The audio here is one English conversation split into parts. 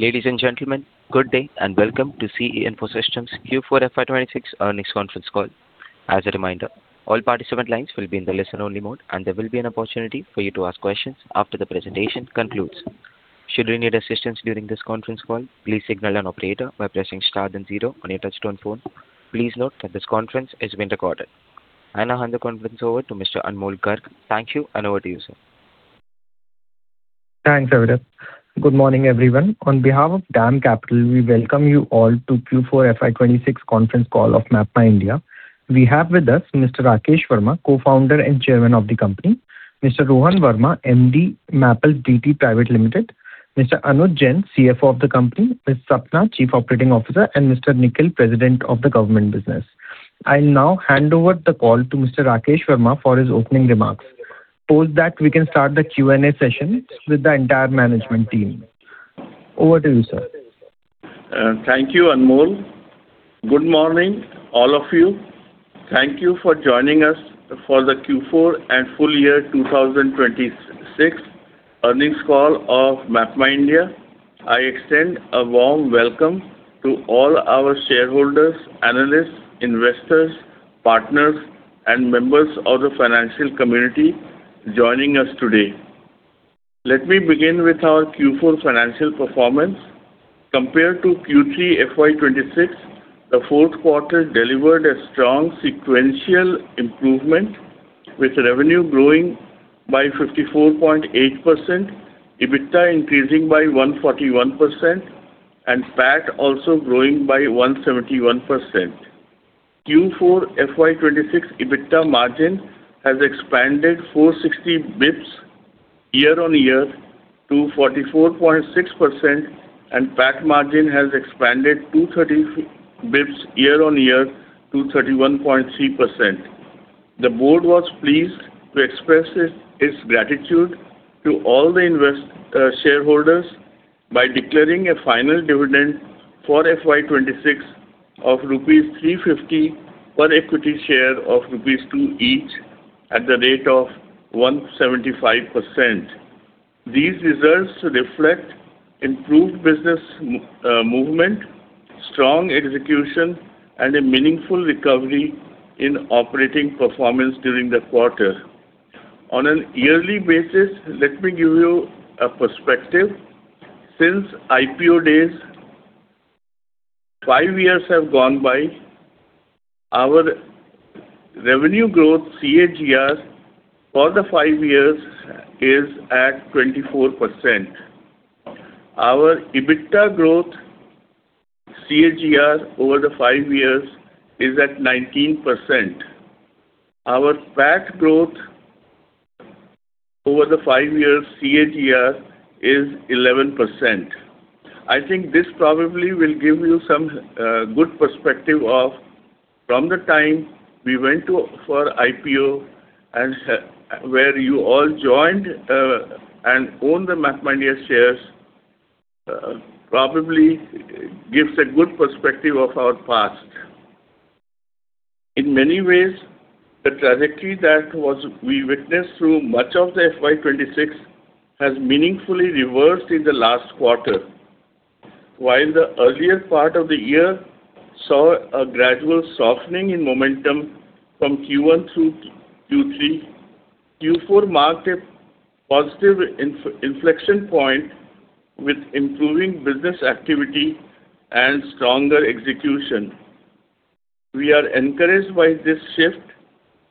Ladies and gentlemen, good day, and welcome to C.E. Info Systems Q4 FY 2026 earnings conference call. As a reminder, all participant lines will be in the listen-only mode, and there will be an opportunity for you to ask questions after the presentation concludes. Should you need assistance during this conference call, please signal an operator by pressing star then zero on your touch-tone phone. Please note that this conference is being recorded. I now hand the conference over to Mr. Anmol Garg. Thank you, and over to you, sir. Thanks, Avirup. Good morning, everyone. On behalf of DAM Capital, we welcome you all to Q4 FY 2026 conference call of MapmyIndia. We have with us Mr. Rakesh Verma, Co-founder and Chairman of the company. Mr. Rohan Verma, MD, Mappls DT Private Limited. Mr. Anuj Jain, CFO of the company. Ms. Sapna, Chief Operating Officer, and Mr. Nikhil, President of the Government Business. I'll now hand over the call to Mr. Rakesh Verma for his opening remarks. Post that, we can start the Q&A session with the entire management team. Over to you, sir. Thank you, Anmol. Good morning, all of you. Thank you for joining us for the Q4 and full year 2026 earnings call of MapmyIndia. I extend a warm welcome to all our shareholders, analysts, investors, partners, and members of the financial community joining us today. Let me begin with our Q4 financial performance. Compared to Q3 FY 2026, the fourth quarter delivered a strong sequential improvement with revenue growing by 54.8%, EBITDA increasing by 141%, and PAT also growing by 171%. Q4 FY 2026 EBITDA margin has expanded 460 bps year-on-year to 44.6%, and PAT margin has expanded 230 bps year-on-year to 31.3%. The board was pleased to express its gratitude to all the shareholders by declaring a final dividend for FY 2026 of rupees 350 per equity share of rupees 2 each at the rate of 175%. These results reflect improved business movement, strong execution, and a meaningful recovery in operating performance during the quarter. On an yearly basis, let me give you a perspective. Since IPO days, 5 years have gone by. Our revenue growth CAGR for the 5 years is at 24%. Our EBITDA growth CAGR over the 5 years is at 19%. Our PAT growth over the 5 years CAGR is 11%. I think this probably will give you some good perspective of from the time we went for IPO and where you all joined and own the MapmyIndia shares, probably gives a good perspective of our past. In many ways, the trajectory we witnessed through much of the FY 2026 has meaningfully reversed in the last quarter. While the earlier part of the year saw a gradual softening in momentum from Q1 through Q3, Q4 marked a positive inflection point with improving business activity and stronger execution. We are encouraged by this shift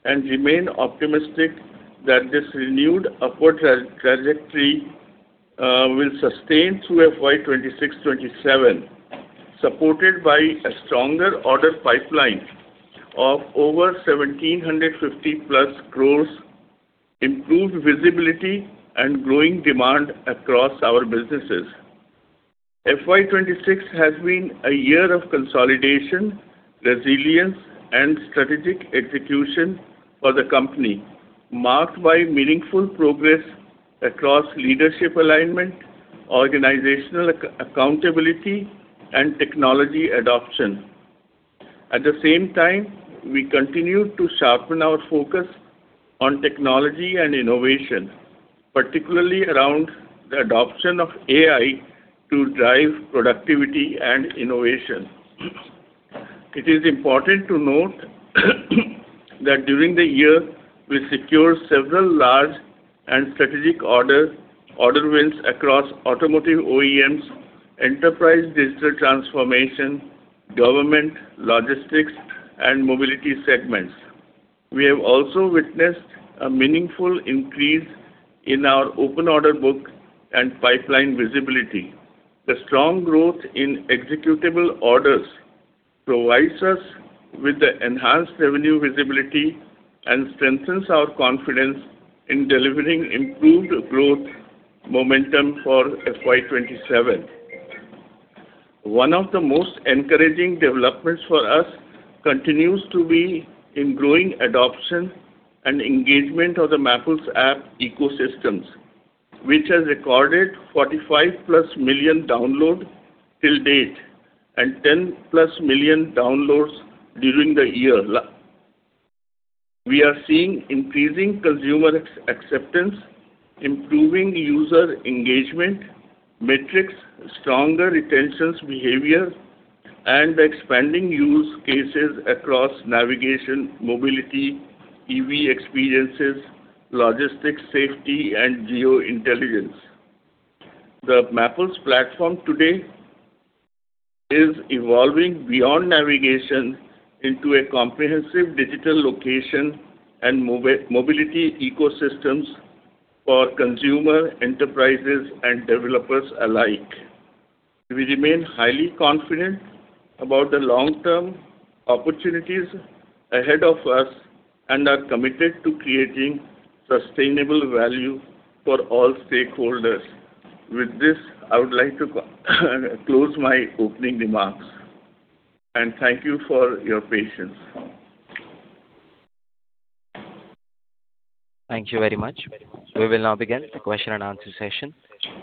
and remain optimistic that this renewed upward trajectory will sustain through FY 2026, 2027, supported by a stronger order pipeline of over 1,750+ crores, improved visibility, and growing demand across our businesses. FY 2026 has been a year of consolidation, resilience, and strategic execution for the company, marked by meaningful progress across leadership alignment, organizational accountability, and technology adoption. At the same time, we continue to sharpen our focus on technology and innovation, particularly around the adoption of AI to drive productivity and innovation. It is important to note that during the year, we secured several large and strategic orders, order wins across automotive OEMs, enterprise digital transformation, government, logistics, and mobility segments. We have also witnessed a meaningful increase in our open order book and pipeline visibility. The strong growth in executable orders provides us with the enhanced revenue visibility and strengthens our confidence in delivering improved growth momentum for FY 2027. One of the most encouraging developments for us continues to be in growing adoption and engagement of the Mappls app ecosystems, which has recorded 45+ million download till date and 10+ million downloads during the year. We are seeing increasing consumer acceptance, improving user engagement metrics, stronger retentions behavior, and expanding use cases across navigation, mobility, EV experiences, logistics, safety, and geo intelligence. The Mappls platform today is evolving beyond navigation into a comprehensive digital location and mobility ecosystems for consumer enterprises and developers alike. We remain highly confident about the long-term opportunities ahead of us and are committed to creating sustainable value for all stakeholders. With this, I would like to close my opening remarks. Thank you for your patience. Thank you very much. We will now begin the question-and-answer session.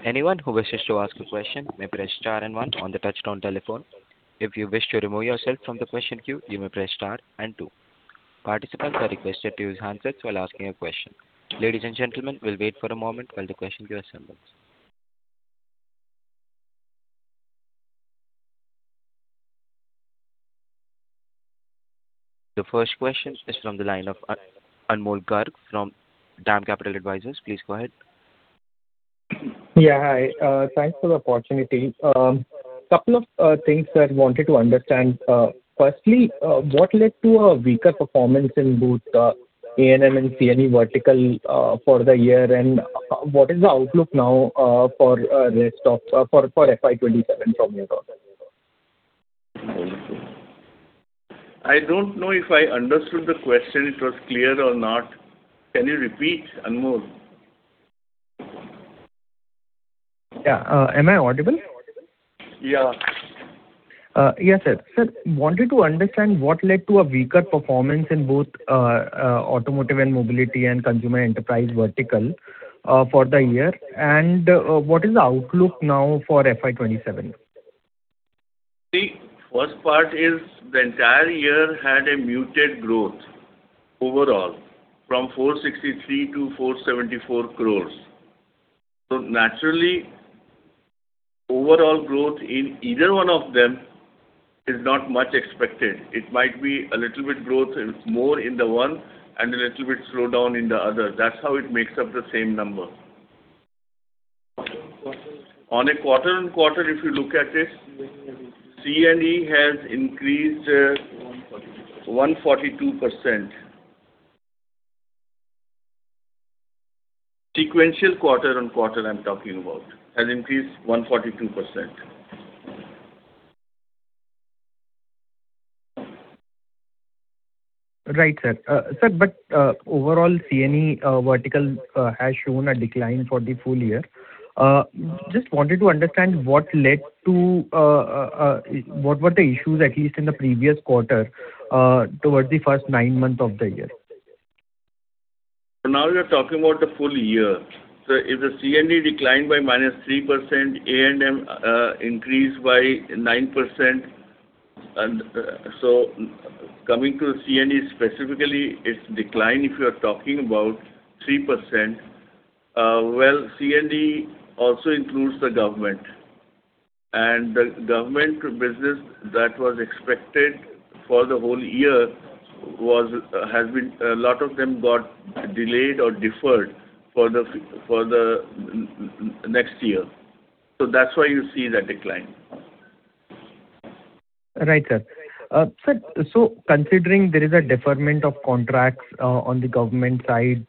Anyone who wishes to aska question may press star and one on the touchtone telephone. If you wish to remove yourself from the question queue, you may press star and two. Participants are requested to use handset while asking a question. Ladies and gentlemen we will wait for a moment while the question queue assembles. The first question is from the line of Anmol Garg from DAM Capital Advisors. Please go ahead. Yeah. Hi. Thanks for the opportunity. Couple of things that I wanted to understand. Firstly, what led to a weaker performance in both A&M and C&E vertical for the year, and what is the outlook now for rest of for FY 2027 from your side? I don't know if I understood the question, it was clear or not. Can you repeat, Anmol? Yeah. Am I audible? Yeah. Yes, sir. Sir, wanted to understand what led to a weaker performance in both automotive and mobility and consumer enterprise vertical for the year, and what is the outlook now for FY 2027? First part is the entire year had a muted growth overall from 463 crores to 474 crores. Naturally, overall growth in either one of them is not much expected. It might be a little bit growth more in the one and a little bit slowdown in the other. That's how it makes up the same number. Quarter-on-quarter. On a quarter-on-quarter, if you look at it. C&E has increased. C&E has increased. 142%. 142%. Sequential quarter-on-quarter, I'm talking about, has increased 142%. Right, sir. Sir, overall C&E vertical has shown a decline for the full year. Just wanted to understand what led to what were the issues, at least in the previous quarter, towards the first nine months of the year? Now we are talking about the full year. If the C&E declined by -3%, A&M increased by 9%. Coming to C&E specifically, its decline, if you're talking about 3%, well, C&E also includes the government. The government business that was expected for the whole year has been a lot of them got delayed or deferred for the next year. That's why you see that decline. Right, sir. Sir, considering there is a deferment of contracts, on the government side,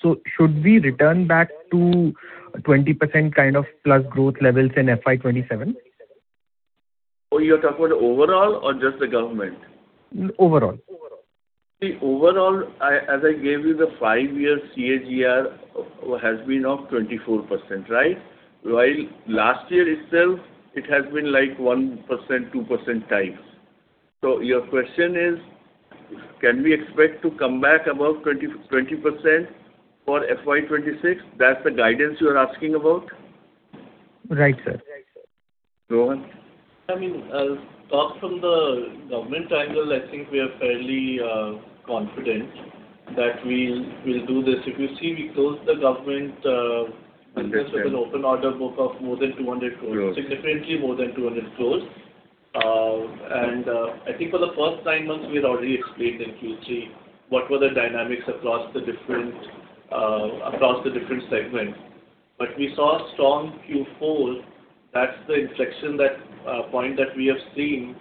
should we return back to 20% kind of plus growth levels in FY 2027? Oh, you're talking about the overall or just the government? Overall. See, overall, as I gave you the 5-year CAGR has been of 24%, right? While last year itself it has been like 1%, 2% types. Your question is, can we expect to come back above 20% for FY 2026? That's the guidance you are asking about? Right, sir. Rohan. I mean, apart from the government angle, I think we are fairly confident that we'll do this. If you see, we closed the government. Business business with an open order book of more than 200 crores. Crores. Significantly more than 200 crore. I think for the first nine months, we had already explained in Q3 what were the dynamics across the different segments. We saw a strong Q4. That's the inflection point that we have seen.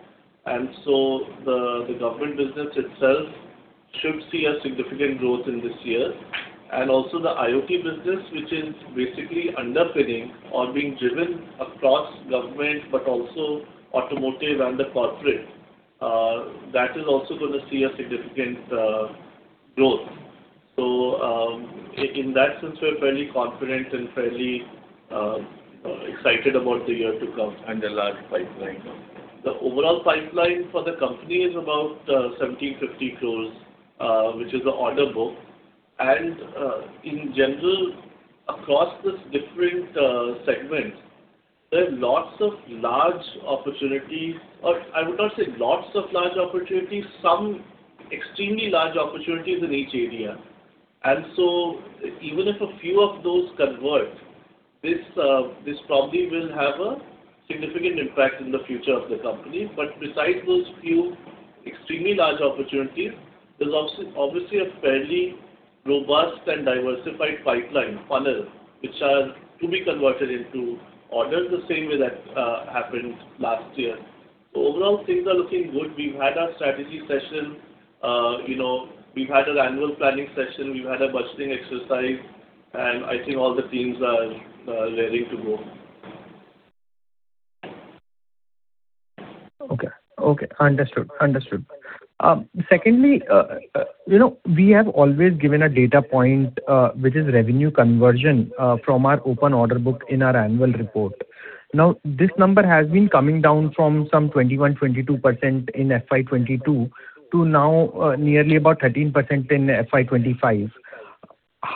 The government business itself should see a significant growth in this year. Also the IoT business, which is basically underpinning or being driven across government, but also automotive and the corporate, that is also going to see a significant growth. In that sense, we're fairly confident and fairly excited about the year to come. A large pipeline now. The overall pipeline for the company is about 1,750 crores, which is the order book in general, across the different segments. There are lots of large opportunities, or I would not say lots of large opportunities, some extremely large opportunities in each area. Even if a few of those convert, this probably will have a significant impact in the future of the company. Besides those few extremely large opportunities, there's also obviously a fairly robust and diversified pipeline funnel, which are to be converted into orders the same way that happened last year. Overall, things are looking good. We've had our strategy session, you know, we've had our annual planning session, we've had our budgeting exercise, and I think all the teams are raring to go. Okay. Okay. Understood. Understood. Secondly, you know, we have always given a data point, which is revenue conversion from our open order book in our annual report. This number has been coming down from some 21%-22% in FY 2022 to nearly about 13% in FY 2025.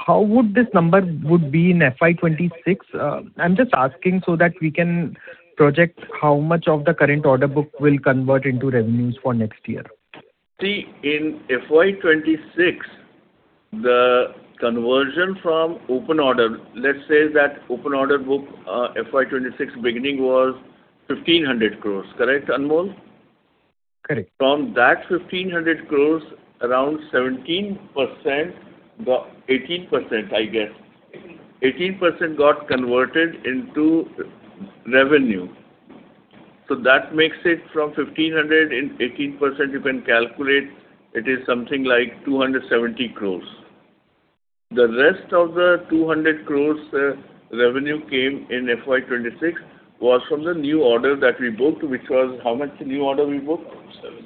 How would this number would be in FY 2026? I'm just asking so that we can project how much of the current order book will convert into revenues for next year. In FY 2026, the conversion from open order, let's say that open order book, FY 2026 beginning was 1,500 crores rupees. Correct, Anmol? Correct. From that 1,500 crore, around 17%-18%, I guess. 18% got converted into revenue. That makes it from 1,500 and 18%, you can calculate it is something like 270 crore. The rest of the 200 crore revenue came in FY 2026 was from the new order that we booked, which was how much new order we booked?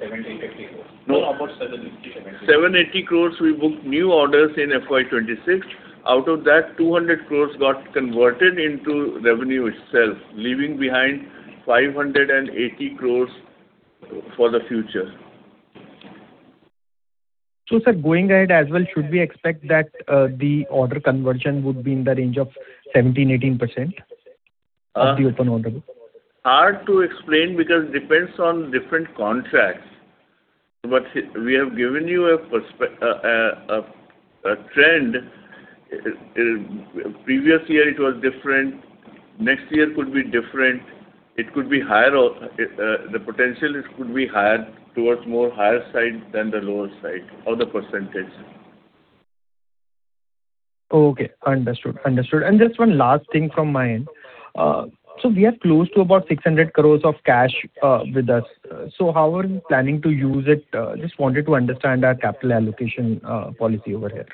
70 crores-80 crores. No. About 70 crores-80 crores. 780 crores we booked new orders in FY 2026. Out of that, 200 crores got converted into revenue itself, leaving behind 580 crores for the future. Sir, going ahead as well, should we expect that, the order conversion would be in the range of 17%-18%? Uh- -of the open order book? Hard to explain because depends on different contracts. We have given you a trend. Previous year it was different. Next year could be different. It could be higher, the potential it could be higher towards more higher side than the lower side of the percentage. Okay. Understood. Understood. Just one last thing from my end. We are close to about 600 crores of cash with us. How are you planning to use it? Just wanted to understand our capital allocation policy over here.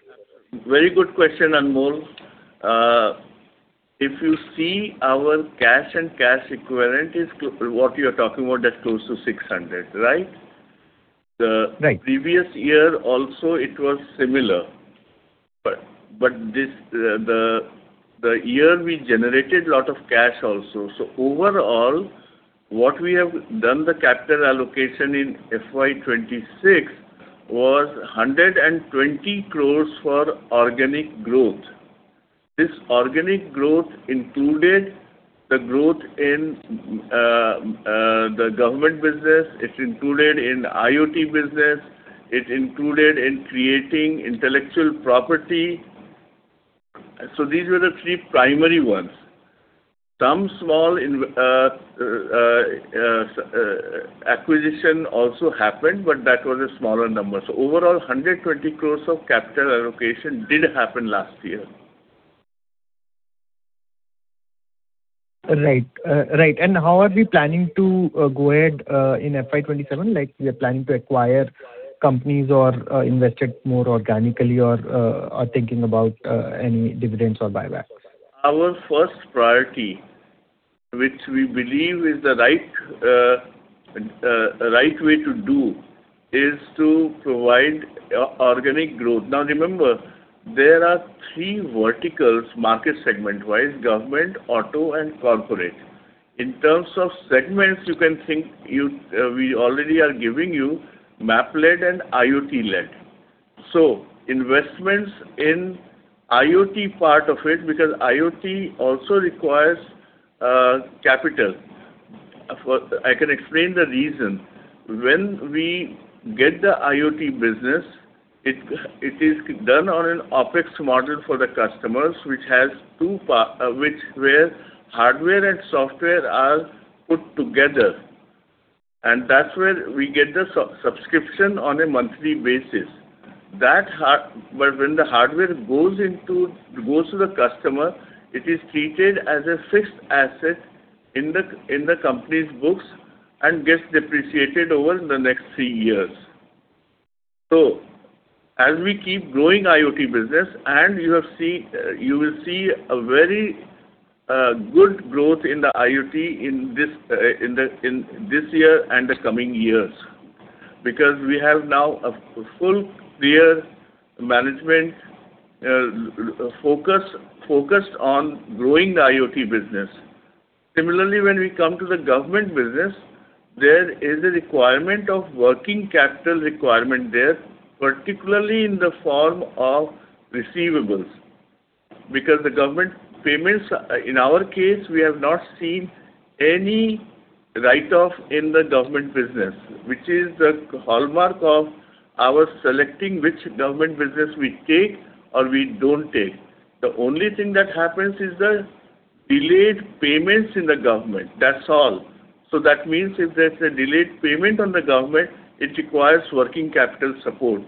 Very good question, Anmol. If you see our cash and cash equivalent is what you're talking about, that's close to 600 crores, right? Right. The previous year also it was similar, but this year we generated a lot of cash also. Overall, what we have done the capital allocation in FY 2026 was 120 crores for organic growth. This organic growth included the growth in the government business, it's included in IoT business, it's included in creating intellectual property. These were the three primary ones. Some small acquisition also happened, but that was a smaller number. Overall, 120 crores of capital allocation did happen last year. Right. How are we planning to go ahead in FY 2027? Like we are planning to acquire companies or invest it more organically or thinking about any dividends or buybacks? Our first priority, which we believe is the right way to do, is to provide organic growth. Remember, there are three verticals market segment-wise: government, auto, and corporate. In terms of segments, you can think we already are giving you map-led and IoT-led. Investments in IoT part of it, because IoT also requires capital. I can explain the reason. When we get the IoT business, it is done on an OpEx model for the customers, which where hardware and software are put together. That's where we get the sub-subscription on a monthly basis. When the hardware goes into, goes to the customer, it is treated as a fixed asset in the company's books and gets depreciated over the next 3 years. As we keep growing IoT business, and you will see a very good growth in the IoT in this, in this year and the coming years. We have now a full, clear management focused on growing the IoT business. Similarly, when we come to the government business. There is a requirement of working capital requirement there, particularly in the form of receivables. The government payments in our case, we have not seen any write-off in the government business, which is the hallmark of our selecting which government business we take or we don't take. The only thing that happens is the delayed payments in the government. That's all. That means if there's a delayed payment on the government, it requires working capital support.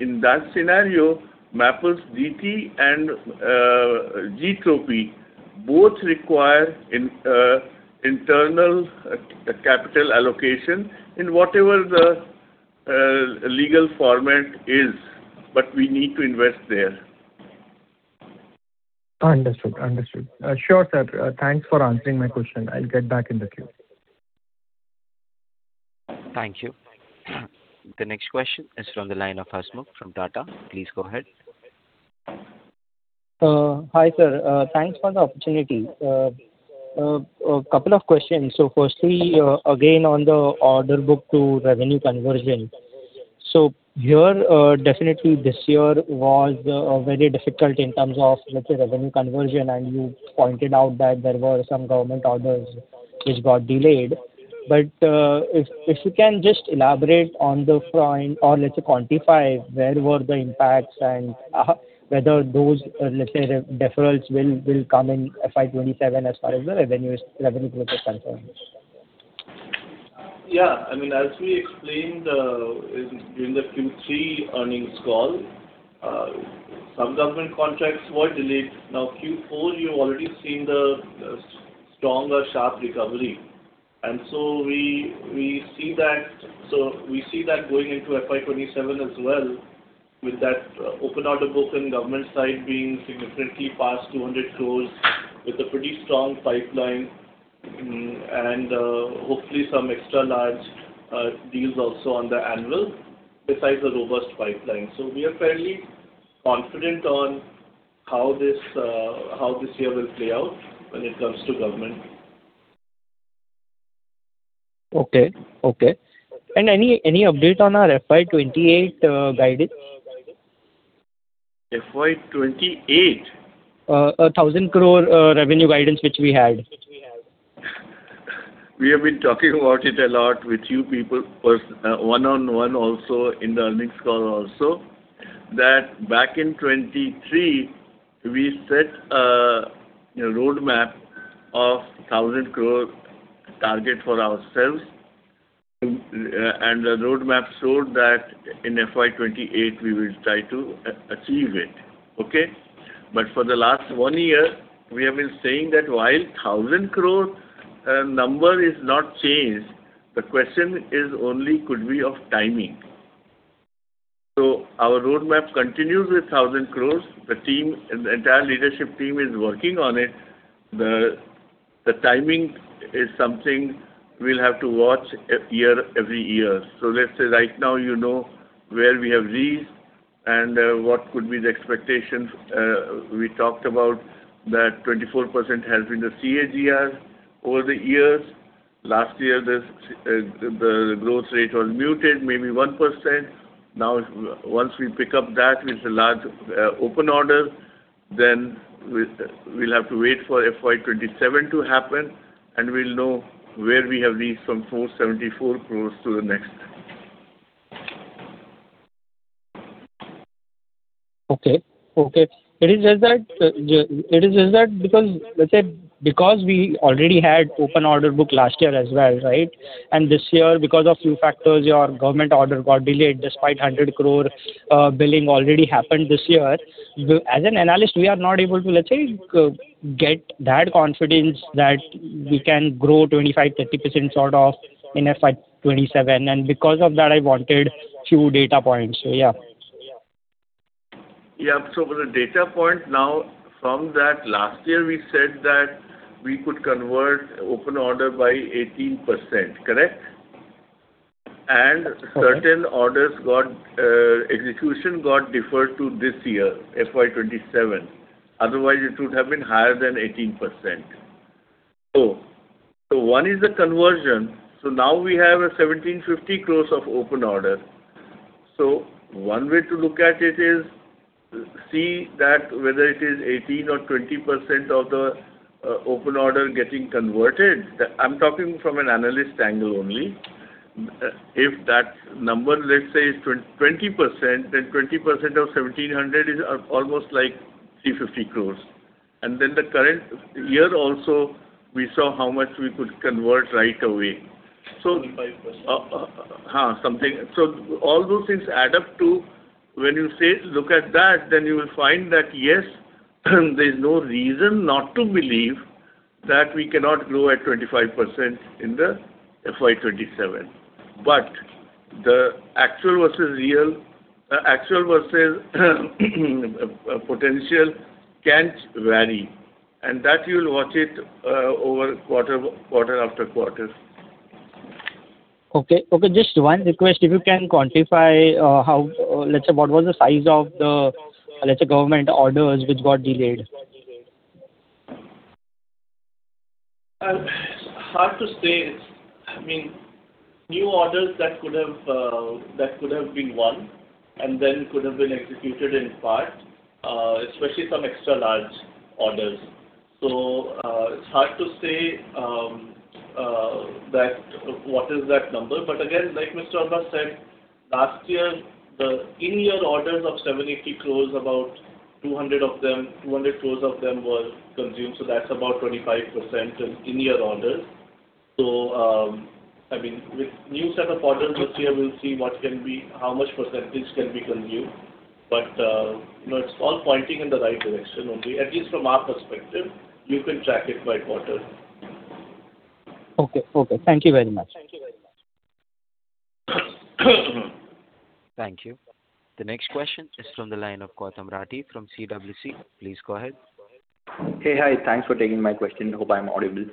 In that scenario, Mappls DT and Gtropy both require in internal capital allocation in whatever the legal format is. We need to invest there. Understood. Understood. Sure, sir. Thanks for answering my question. I'll get back in the queue. Thank you. The next question is from the line of Hasmukh from Tata. Please go ahead. Hi, sir. Thanks for the opportunity. A couple of questions. Firstly, again, on the order book to revenue conversion. Here, definitely this year was very difficult in terms of, let's say, revenue conversion, and you pointed out that there were some government orders which got delayed. If you can just elaborate on the front or let's say quantify where were the impacts and whether those, let's say deferrals will come in FY 2027 as far as the revenue is, revenue growth is concerned. Yeah. I mean, as we explained, in, during the Q3 earnings call, some government contracts were delayed. Now Q4, you've already seen the stronger sharp recovery. We see that going into FY 2027 as well with that open order book and government side being significantly past 200 crores with a pretty strong pipeline and, hopefully some extra-large deals also on the anvil besides the robust pipeline. We are fairly confident on how this year will play out when it comes to government. Okay. Okay. Any update on our FY 2028 guidance? FY 2028? 1,000 crore revenue guidance which we had. We have been talking about it a lot with you people one-on-one also in the earnings call also, that back in 2023 we set a roadmap of 1,000 crore target for ourselves. The roadmap showed that in FY 2028 we will try to achieve it. Okay? For the last one year we have been saying that while 1,000 crore number is not changed, the question is only could be of timing. Our roadmap continues with 1,000 crores. The team, the entire leadership team is working on it. The timing is something we'll have to watch every year. Let's say right now you know where we have reached and what could be the expectations. We talked about that 24% has been the CAGR over the years. Last year, the growth rate was muted, maybe 1%. Now once we pick up that with the large open order, then we'll have to wait for FY 2027 to happen, and we'll know where we have reached from 474 crores to the next. Okay. It is just that because, let's say we already had open order book last year as well, right? This year because of few factors your government order got delayed despite 100 crore billing already happened this year. As an analyst, we are not able to, let's say, get that confidence that we can grow 25%, 30% sort of in FY 2027. Because of that I wanted few data points. Yeah. Yeah. For the data point now from that last year we said that we could convert open order by 18%. Correct? Okay. Certain orders got execution got deferred to this year, FY 2027. Otherwise it would have been higher than 18%. One is the conversion. Now we have a 1,750 crores of open order. One way to look at it is, see that whether it is 18% or 20% of the open order getting converted. I'm talking from an analyst angle only. If that number, let's say is 20%, then 20% of 1,700 is almost like 350 crores. Then the current year also we saw how much we could convert right away. 25%. Something. All those things add up to when you say look at that, then you will find that, yes, there's no reason not to believe that we cannot grow at 25% in the FY 2027. The actual versus real, actual versus potential can vary, and that you'll watch it over quarter-after-quarter. Okay. Okay, just one request. If you can quantify, how, let's say what was the size of the, let's say government orders which got delayed? Hard to say. I mean, new orders that could have, that could have been won and then could have been executed in part, especially some extra-large orders. It's hard to say what is that number. Again, like Mr. Verma said, last year the in-year orders of 70 close about 200 of them, 200 close of them was consumed, so that's about 25% in in-year orders. I mean, with new set of orders this year we'll see how much percentage can be consumed. You know, it's all pointing in the right direction only, at least from our perspective. You can track it by quarter. Okay. Okay. Thank you very much. Thank you. The next question is from the line of Gautam Rathi from CWC. Please go ahead. Hey. Hi. Thanks for taking my question. Hope I'm audible.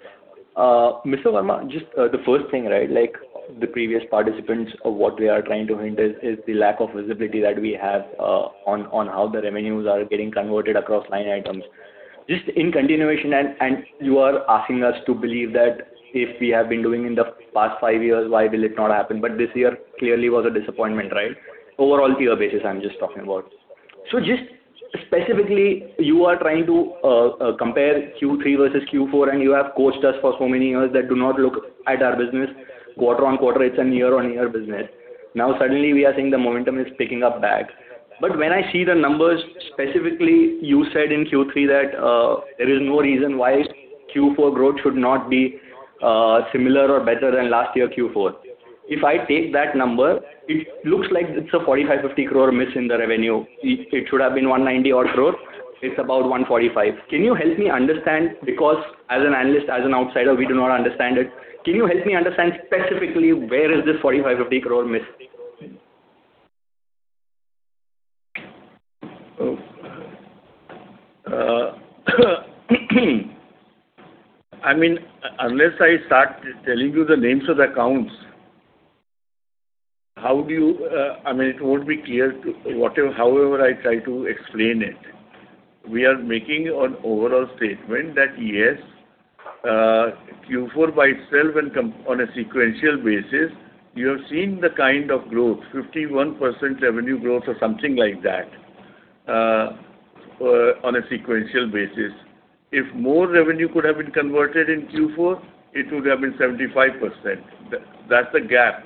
Mr. Verma, just the first thing, right, like the previous participants of what we are trying to hint is the lack of visibility that we have on how the revenues are getting converted across line items. Just in continuation and you are asking us to believe that if we have been doing in the past five years, why will it not happen? This year clearly was a disappointment, right? Overall tier basis, I'm just talking about. Just specifically, you are trying to compare Q3 versus Q4, and you have coached us for so many years that do not look at our business quarter-on-quarter, it's an year on year business. Suddenly we are seeing the momentum is picking up back. When I see the numbers, specifically you said in Q3 that there is no reason why Q4 growth should not be similar or better than last year Q4. If I take that number, it looks like it's a 45 crore-50 crore miss in the revenue. It should have been 190 odd crore. It's about 145. Can you help me understand because as an analyst, as an outsider, we do not understand it? Can you help me understand specifically where is this 45 crore-50 crore miss? I mean, unless I start telling you the names of the accounts, how do you, I mean, it won't be clear however I try to explain it. We are making an overall statement that, yes, Q4 by itself and on a sequential basis, you have seen the kind of growth, 51% revenue growth or something like that, on a sequential basis. If more revenue could have been converted in Q4, it would have been 75%. That's the gap.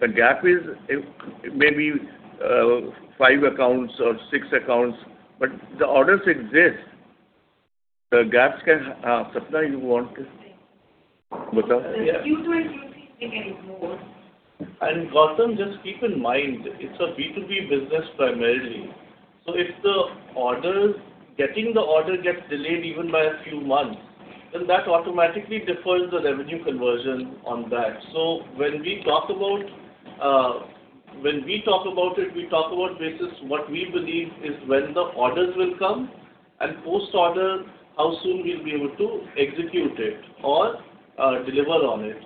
The gap is maybe, five accounts or six accounts. The orders exist. The gaps can, Sapna, you want to- Sure. Yeah. Q2 and Q3 they get more. Gautam, just keep in mind, it's a B2B business primarily. If the orders, getting the order gets delayed even by a few months, then that automatically defers the revenue conversion on that. When we talk about, when we talk about it, we talk about basis what we believe is when the orders will come and post-order, how soon we'll be able to execute it or deliver on it.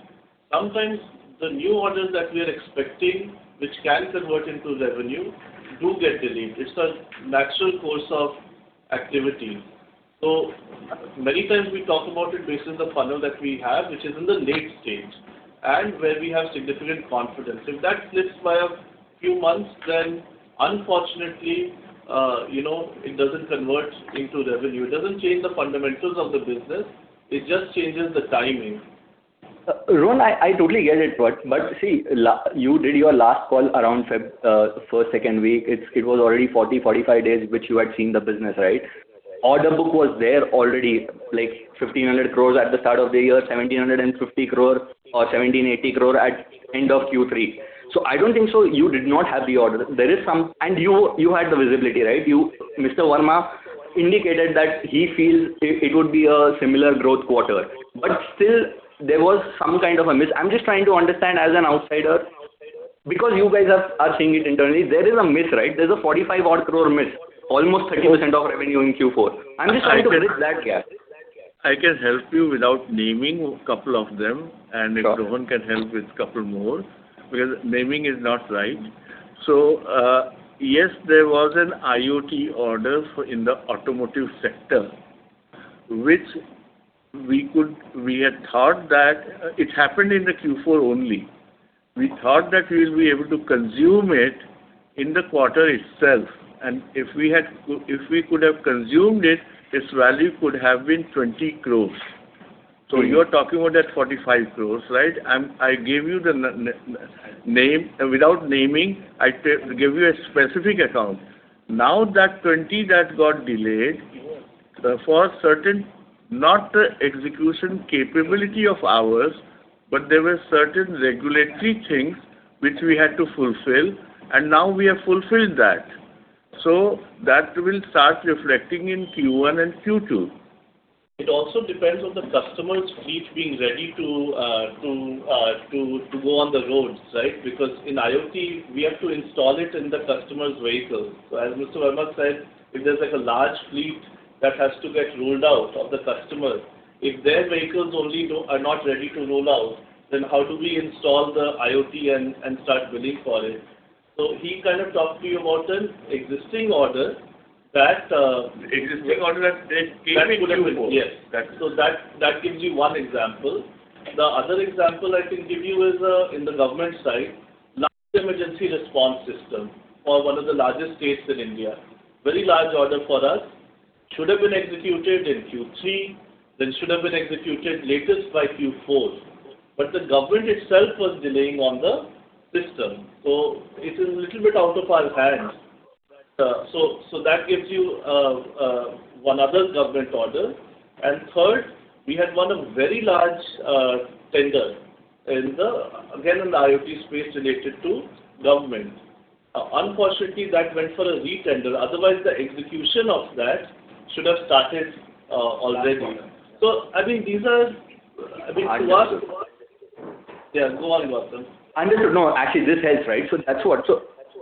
Sometimes the new orders that we are expecting, which can convert into revenue, do get delayed. It's the natural course of activity. Many times we talk about it based on the funnel that we have, which is in the late stage and where we have significant confidence. If that slips by a few months, then unfortunately, you know, it doesn't convert into revenue. It doesn't change the fundamentals of the business, it just changes the timing. Rohan, I totally get it. See, you did your last call around Feb, first, second week. It was already 40, 45 days which you had seen the business, right? Order book was there already, like 1,500 crore at the start of the year, 1,750 crore or 1,780 crore at end of Q3. I don't think so you did not have the order. You had the visibility, right? Mr. Verma indicated that he feels it would be a similar growth quarter. Still there was some kind of a miss. I'm just trying to understand as an outsider, because you guys are seeing it internally. There is a miss, right? There's a 45 odd crore miss, almost 30% of revenue in Q4. I'm just trying to bridge that gap. I can help you without naming couple of them. Got it. If Rohan can help with couple more, because naming is not right. Yes, there was an IoT order for in the automotive sector, which we had thought that it happened in the Q4 only. We thought that we'll be able to consume it in the quarter itself. If we could have consumed it, its value could have been 20 crores. You're talking about that 45 crores, right? I gave you the name. Without naming, I give you a specific account. That 20 crores that got delayed, for certain, not the execution capability of ours, but there were certain regulatory things which we had to fulfill, and now we have fulfilled that. That will start reflecting in Q1 and Q2. It also depends on the customer's fleet being ready to go on the roads, right? Because in IoT we have to install it in the customer's vehicle. As Mr. Verma said, if there's like a large fleet that has to get rolled out of the customer. If their vehicles are not ready to roll out, how do we install the IoT and start billing for it? He kind of talked to you about an existing order that. Existing order that they paid in Q4. That we couldn't Yes. That's it. That gives you one example. The other example I can give you is in the government side, large emergency response system for one of the largest states in India. Very large order for us. Should have been executed in Q3, then should have been executed latest by Q4. The government itself was delaying on the system. It's a little bit out of our hands. That gives you one other government order. Third, we had won a very large tender in the, again, in the IoT space related to government. Unfortunately, that went for a re-tender. Otherwise, the execution of that should have started already. That one. I mean, these are, I mean. Understood. Yeah, go on, Gautam. Understood. No, actually this helps, right? That's what.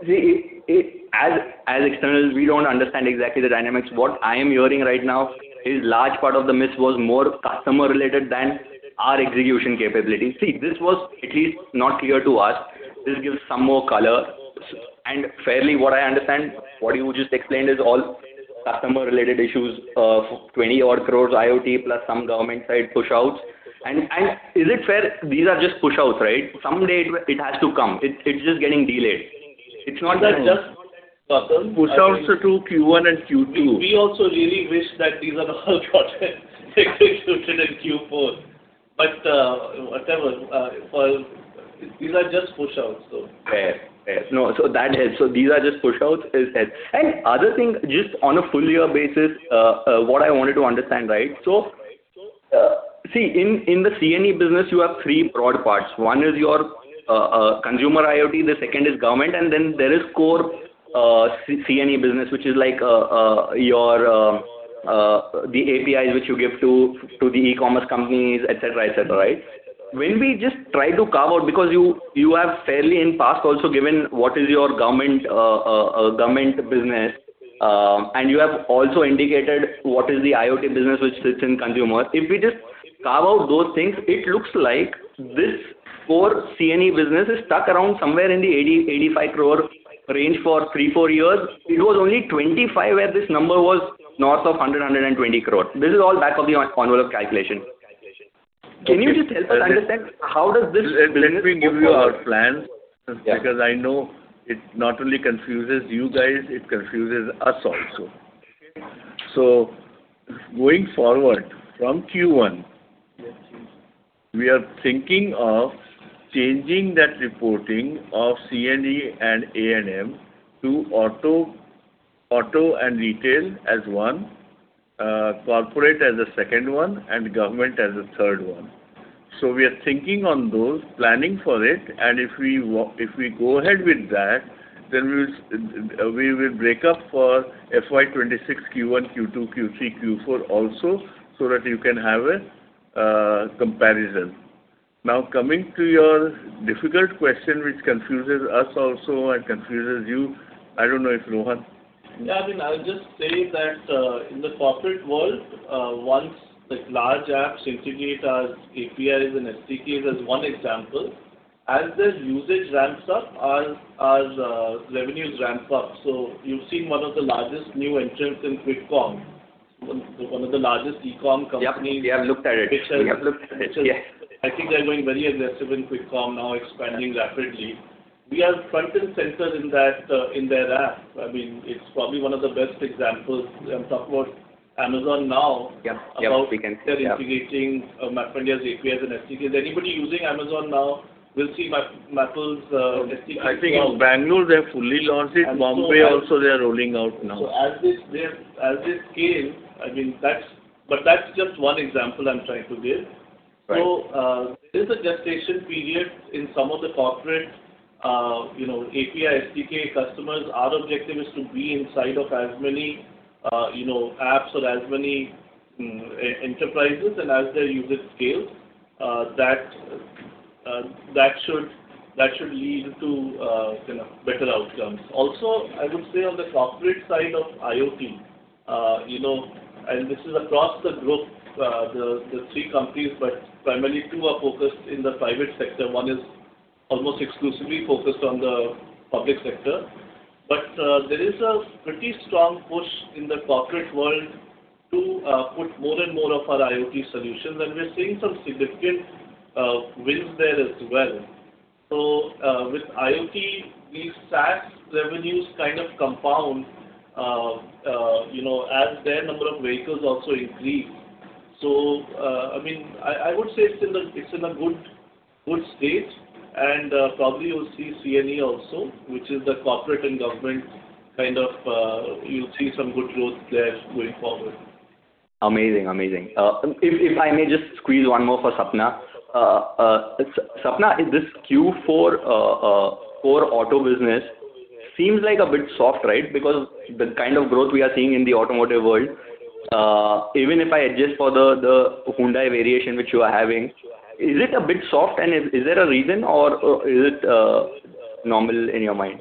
See, as external, we don't understand exactly the dynamics. What I am hearing right now is large part of the miss was more customer related than our execution capability. See, this was at least not clear to us. This gives some more color. Fairly what I understand, what you just explained is all customer related issues, 20 odd crores IoT plus some government side push outs. Is it fair, these are just push outs, right? Someday it has to come. It's just getting delayed. It's not that- It's not that just, Gautam. Push outs to Q1 and Q2. We also really wish that these are all projects executed in Q4. These are just push outs. Fair. Fair. That helps. These are just push outs is helped. Other thing, just on a full year basis, what I wanted to understand, right? See, in the C&E business you have three broad parts. One is your consumer IoT, the second is government, and then there is core C&E business, which is like your the APIs which you give to the e-commerce companies, et cetera, et cetera, right? When we just try to carve out, because you have fairly in past also given what is your government government business, and you have also indicated what is the IoT business which sits in consumer. If we just carve out those things, it looks like this core C&E business is stuck around somewhere in the 80 crore-85 crore range for 3, 4 years. It was only 25 crore where this number was north of 100 crore-120 crore. This is all back of the envelope calculation. Okay. Can you just help us understand how does this business go forward? Let me give you our plan. Yeah. Because I know it not only confuses you guys, it confuses us also. Going forward from Q1- Yes, please We are thinking of changing that reporting of C&E and A&M to auto and retail as one, corporate as a second one, and government as a third one. We are thinking on those, planning for it, and if we go ahead with that, then we will break up for FY 2026 Q1, Q2, Q3, Q4 also, so that you can have a comparison. Coming to your difficult question, which confuses us also and confuses you, I don't know if Rohan. Yeah. I mean, I would just say that in the corporate world, once the large apps integrate our APIs and SDKs as one example, as their usage ramps up, our revenues ramp up. You've seen one of the largest new entrants in quick commerce, one of the largest e-com companies- Yep, we have looked at it. Which has- We have looked at it. Yeah. I think they're going very aggressive in QuickCom now, expanding rapidly. We are front and center in that, in their app. I mean, it's probably one of the best examples. Talk about Amazon now. Yep. Yep. We can see. Yep. About they're integrating, MapmyIndia's APIs and SDKs. Anybody using Amazon now will see MapmyIndia's SDKs. I think in Bangalore they have fully launched it. And so they have- Bombay also they are rolling out now. As this scale, I mean, that's just one example I'm trying to give. Right. There's a gestation period in some of the corporate, you know, API, SDK customers. Our objective is to be inside of as many, you know, apps or as many e-enterprises. As their usage scales, that should lead to, you know, better outcomes. Also, I would say on the corporate side of IoT, you know, and this is across the group, the three companies, but primarily two are focused in the private sector. One is almost exclusively focused on the public sector. There is a pretty strong push in the corporate world to put more and more of our IoT solutions, and we're seeing some significant wins there as well. With IoT, these SaaS revenues kind of compound, you know, as their number of vehicles also increase. I mean, I would say it's in a good state. Probably you'll see C&E also, which is the corporate and government kind of, you'll see some good growth there going forward. Amazing. Amazing. If I may just squeeze one more for Sapna. Sapna, is this Q4 core auto business seems like a bit soft, right? Because the kind of growth we are seeing in the automotive world, even if I adjust for the Hyundai variation which you are having, is it a bit soft and is there a reason or is it normal in your mind?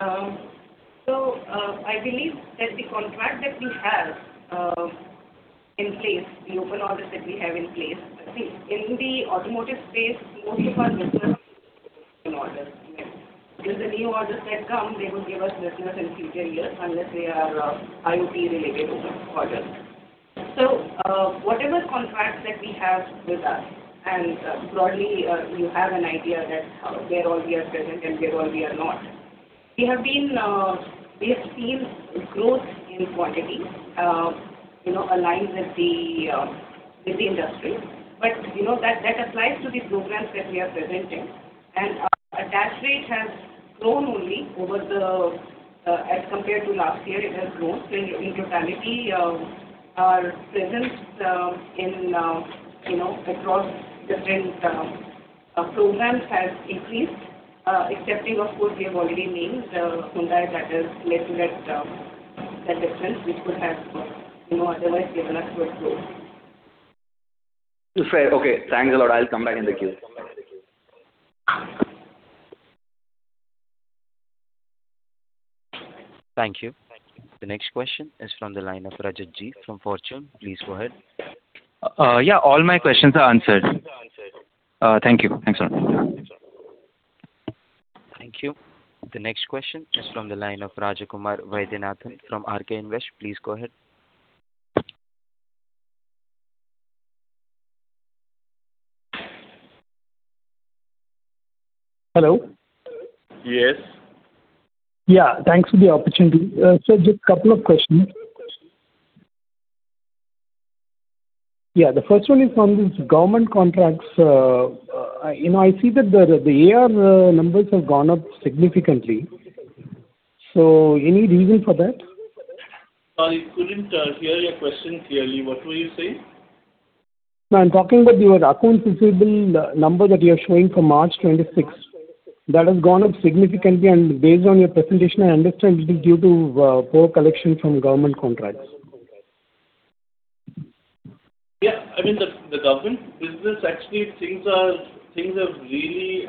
I believe that the contract that we have in place, the open orders that we have in place. See, in the automotive space, most of our business orders. With the new orders that come, they will give us business in future years unless they are IoT related open orders. Whatever contracts that we have with us, and broadly, you have an idea that where all we are present and where all we are not. We have been, we have seen growth in quantity, you know, aligned with the industry. You know, that applies to the programs that we are presenting. Our attach rate has grown only over the, as compared to last year, it has grown. In totality, our presence, in, you know, across different programs has increased, excepting of course we have already named Hyundai that has led to that difference which could have, you know, otherwise given us good growth. Fair. Okay. Thanks a lot. I'll come back in the queue. Thank you. The next question is from the line of Rajat G. from Fortune. Please go ahead. Yeah, all my questions are answered. Thank you. Thanks a lot. Thank you. The next question is from the line of Rajakumar Vaidyanathan from RK Invest. Please go ahead. Hello. Yes. Thanks for the opportunity. sir, just couple of questions. The first one is from these government contracts. you know, I see that the AR numbers have gone up significantly. Any reason for that? I couldn't hear your question clearly. What were you saying? No, I'm talking about your accounts receivable, number that you are showing for March 26. That has gone up significantly. Based on your presentation, I understand it is due to poor collection from government contracts. Yeah. I mean, the government business actually things have really.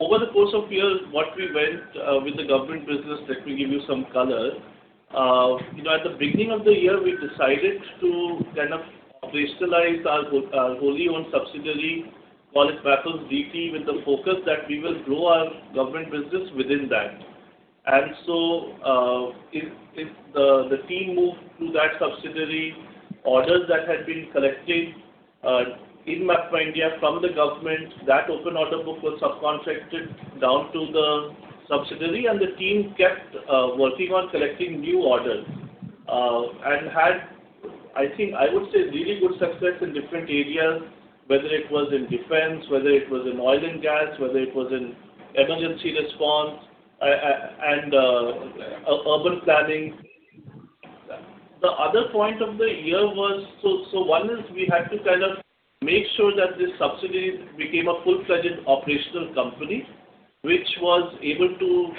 Over the course of years, what we went with the government business, let me give you some color. You know, at the beginning of the year, we decided to kind of crystallize our wholly-owned subsidiary, call it Mappls DT, with the focus that we will grow our government business within that. If the team moved to that subsidiary, orders that had been collected in MapmyIndia from the government, that open order book was subcontracted down to the subsidiary and the team kept working on collecting new orders. Had, I think, I would say really good success in different areas, whether it was in defense, whether it was in oil and gas, whether it was in emergency response, urban planning. We had to make sure that this subsidiary became a full-fledged operational company, which was able to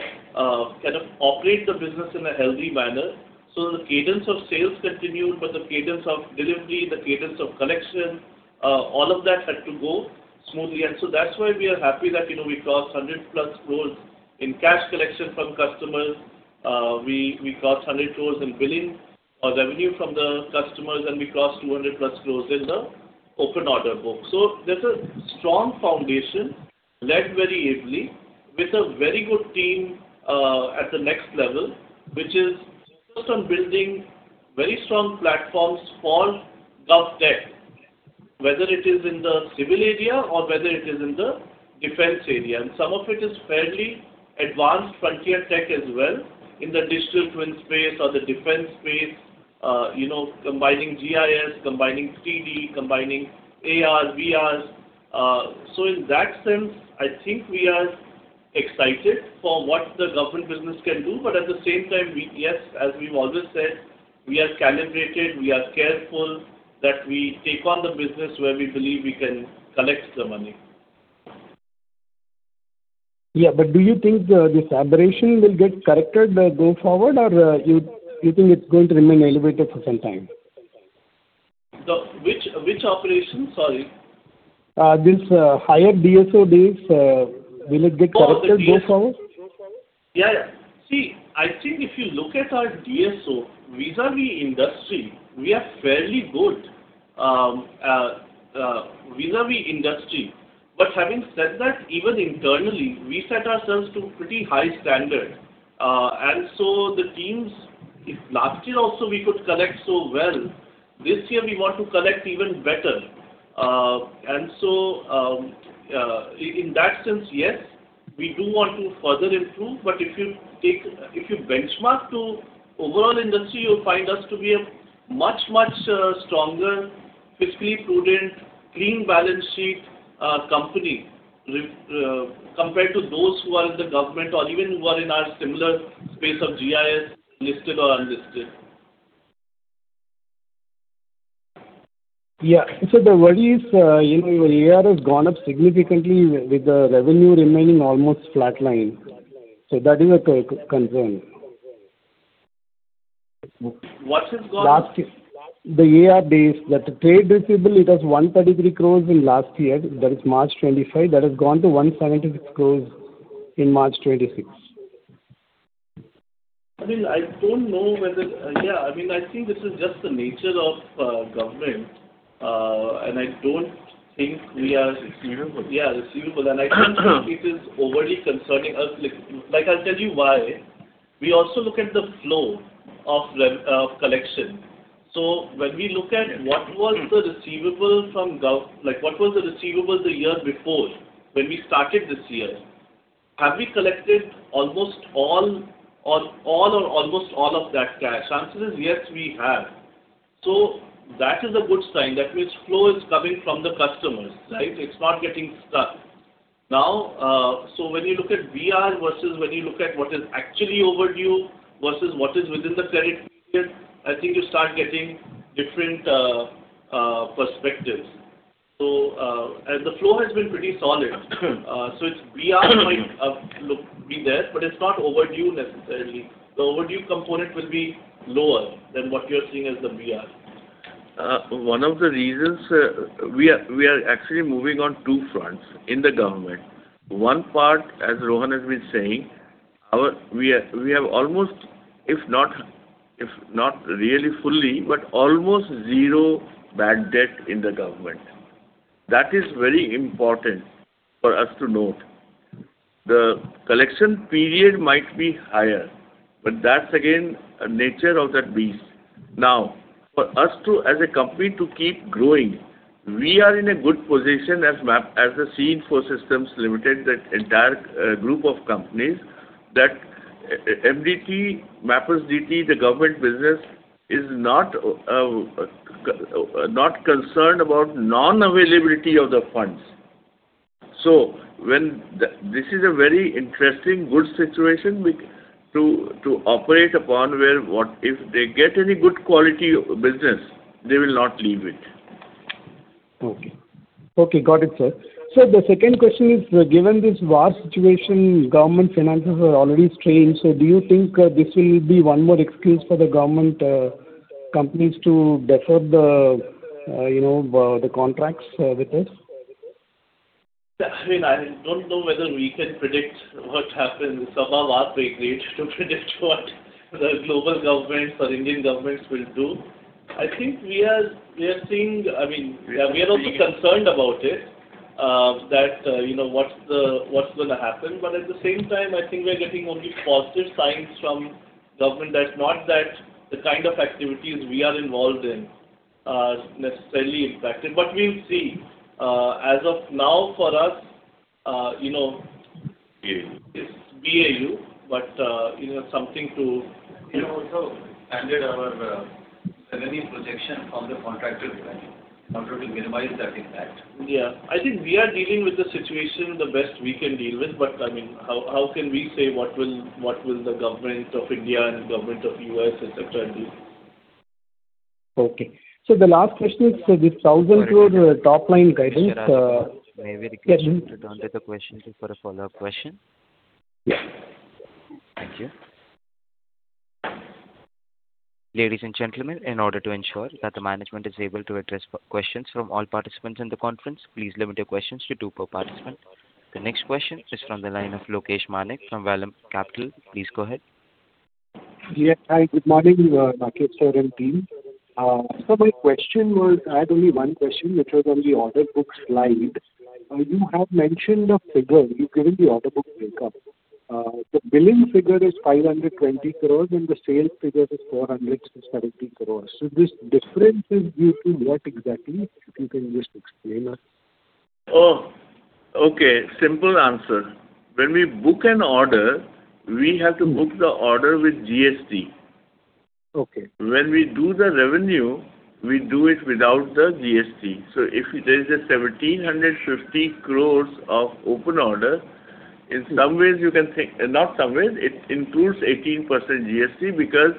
operate the business in a healthy manner. The cadence of sales continued, but the cadence of delivery, the cadence of collection, all of that had to go smoothly. That's why we are happy that, you know, we crossed 100+ crores in cash collection from customers. We crossed 100 crores in billing revenue from the customers, and we crossed 200+ crores in the open order book. There's a strong foundation led very ably with a very good team at the next level, which is focused on building very strong platforms for gov tech, whether it is in the civil area or whether it is in the defense area. Some of it is fairly advanced frontier tech as well in the digital twin space or the defense space, you know, combining GIS, combining 3D, combining AR, VRs. In that sense, I think we are excited for what the government business can do. At the same time, Yes, as we've always said, we are calibrated, we are careful that we take on the business where we believe we can collect the money. Yeah. Do you think this aberration will get corrected going forward or you think it's going to remain elevated for some time? Which aberration? Sorry. This higher DSO days, will it get corrected go forward? I think if you look at our DSO vis-à-vis industry, we are fairly good vis-à-vis industry. Having said that, even internally, we set ourselves to pretty high standard. The teams, if last year also we could collect so well, this year we want to collect even better. In that sense, yes, we do want to further improve. If you take, if you benchmark to overall industry, you'll find us to be a much, much stronger, fiscally prudent, clean balance sheet company compared to those who are in the government or even who are in our similar space of GIS, listed or unlisted. Yeah. The worry is, you know, your AR has gone up significantly with the revenue remaining almost flatline. That is a concern. What has gone- Last year. The AR days, that trade receivable, it was 133 crore in last year, that is March 2025. That has gone to 176 crore in March 2026. I mean, I don't know whether, yeah, I mean, I think this is just the nature of government. Receivables. Yeah, receivables. I don't think this is overly concerning us. Like, I'll tell you why. We also look at the flow of collection. When we look at what was the receivable from gov, what was the receivable the year before when we started this year? Have we collected almost all or almost all of that cash? Answer is yes, we have. That is a good sign. That means flow is coming from the customers, right? It's not getting stuck. When you look at AR versus when you look at what is actually overdue versus what is within the credit period, I think you start getting different perspectives. The flow has been pretty solid. It's AR might look, be there, but it's not overdue necessarily. The overdue component will be lower than what you're seeing as the AR. One of the reasons, we are actually moving on two fronts in the government. One part, as Rohan has been saying, We are, we have almost, if not, if not really fully, but almost zero bad debt in the government. That is very important for us to note. The collection period might be higher, but that's again a nature of that beast. Now, for us to, as a company, to keep growing, we are in a good position as the C.E. Info Systems Limited, that entire group of companies, that MDT, Mappls DT, the government business is not concerned about non-availability of the funds. This is a very interesting, good situation which to operate upon, where if they get any good quality business, they will not leave it. Okay, got it, sir. The second question is, given this war situation, government finances are already strained. Do you think this will be one more excuse for the government companies to defer the, you know, the contracts with us? I mean, I don't know whether we can predict what happens. Sapna was very great to predict what the global governments or Indian governments will do. I think we are, we are seeing I mean, we are also concerned about it, that, you know, what's the what's gonna happen? At the same time, I think we are getting only positive signs from government that not that the kind of activities we are involved in are necessarily impacted. We'll see. As of now, for us, you know. BAU. It's BAU, but, you know, something to, you know. We also handed our revenue projection from the contracted revenue in order to minimize that impact. Yeah. I think we are dealing with the situation the best we can deal with. I mean, how can we say what will the government of India and government of U.S., et cetera, do? Okay. The last question is this 1,000 crore top line guidance. Mr. Rajakumar, may I request you to turn to the question for a follow-up question? Yeah. Thank you. Ladies and gentlemen, in order to ensure that the management is able to address questions from all participants in the conference, please limit your questions to two per participant. The next question is from the line of Lokesh Manik from Vallum Capital. Please go ahead. Yeah, hi. Good morning, Rakesh sir and team. My question was, I had only one question, which was on the order book slide. You have mentioned a figure. You've given the order book makeup. The billing figure is 520 crores, and the sales figure is 470 crores. This difference is due to what exactly? If you can just explain us. Oh, okay. Simple answer. When we book an order, we have to book the order with GST. Okay. When we do the revenue, we do it without the GST. If there is an 1,750 crores of open order, Not some ways, it includes 18% GST, because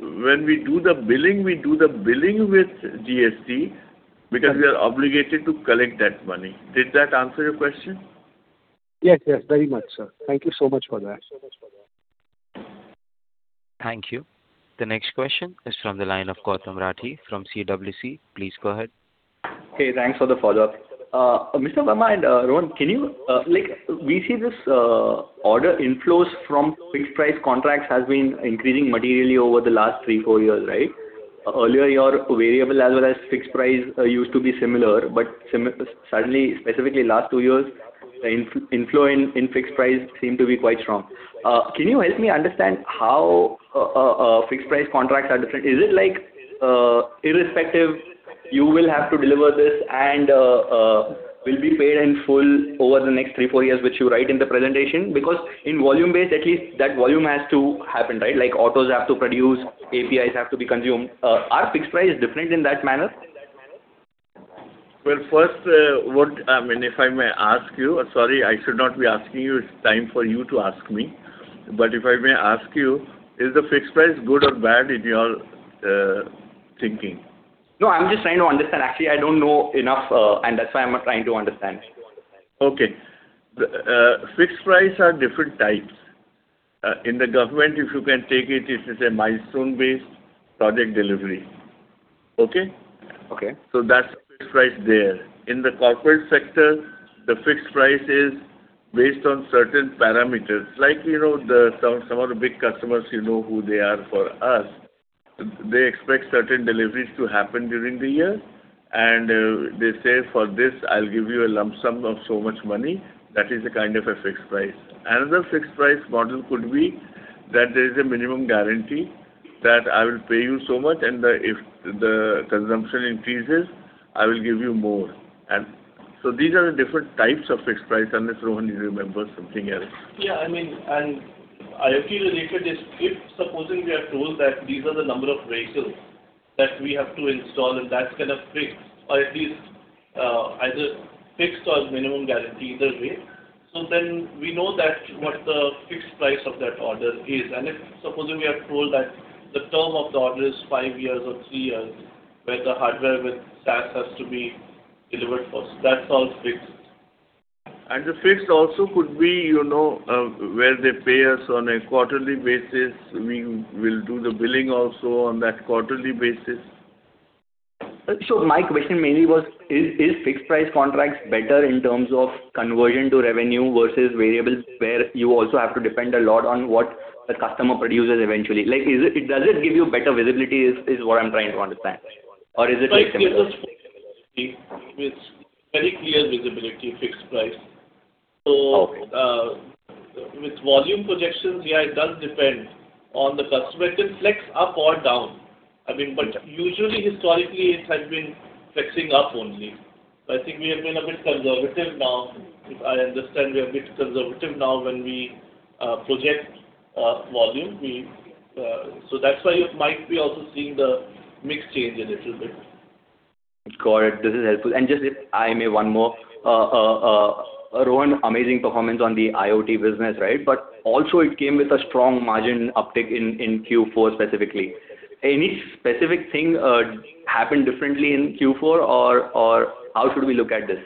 when we do the billing, we do the billing with GST because we are obligated to collect that money. Did that answer your question? Yes, yes. Very much, sir. Thank you so much for that. Thank you. The next question is from the line of Gautam Rathi from CWC. Please go ahead. Hey, thanks for the follow-up. Mr. Verma and Rohan, can you Like, we see this order inflows from fixed price contracts has been increasing materially over the last 3, 4 years, right? Earlier, your variable as well as fixed price used to be similar, but suddenly, specifically last 2 years, the inflow in fixed price seem to be quite strong. Can you help me understand how fixed price contracts are different? Is it like, irrespective you will have to deliver this and will be paid in full over the next 3, 4 years, which you write in the presentation? In volume-based, at least that volume has to happen, right? Like autos have to produce, APIs have to be consumed. Are fixed price different in that manner? Well, first, I mean, if I may ask you. Sorry, I should not be asking you. It's time for you to ask me. If I may ask you, is the fixed price good or bad in your thinking? No, I'm just trying to understand. Actually, I don't know enough, and that's why I'm trying to understand. Okay. The fixed price are different types. In the government, if you can take it is a milestone-based project delivery. Okay. Okay. That's fixed price there. In the corporate sector, the fixed price is based on certain parameters. Like, you know, the some of the big customers, you know who they are for us. They expect certain deliveries to happen during the year and they say, "For this, I'll give you a lump sum of so much money." That is a kind of a fixed price. Another fixed price model could be that there is a minimum guarantee that I will pay you so much and if the consumption increases, I will give you more. These are the different types of fixed price, unless Rohan you remember something else. Yeah, I mean, IoT related is if supposing we are told that these are the number of tracers that we have to install and that's kind of fixed or at least, either fixed or minimum guarantee either way, we know that what the fixed price of that order is. If supposing we are told that the term of the order is five years or three years, where the hardware with SaaS has to be delivered first, that's all fixed. The fixed also could be, you know, where they pay us on a quarterly basis. We will do the billing also on that quarterly basis. My question mainly was, is fixed price contracts better in terms of conversion to revenue versus variable, where you also have to depend a lot on what the customer produces eventually? Like, does it give you better visibility, is what I'm trying to understand. Is it like similar? It gives us visibility. It's very clear visibility, fixed price. Okay. With volume projections, yeah, it does depend on the customer. It can flex up or down. I mean, usually historically, it has been flexing up only. I think we have been a bit conservative now. I understand, we are a bit conservative now when we project volume. That's why you might be also seeing the mix change a little bit. Got it. This is helpful. Just if I may, one more. Rohan, amazing performance on the IoT business, right? Also it came with a strong margin uptick in Q4 specifically. Any specific thing happened differently in Q4 or how should we look at this?